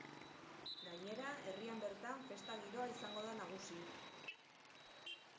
Gainera, herrian bertan festa-giroa izango da nagusi.